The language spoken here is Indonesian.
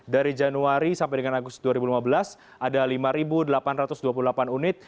dari januari sampai dengan agustus dua ribu lima belas ada lima delapan ratus dua puluh delapan unit